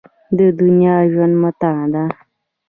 د دنیا ژوند متاع ده.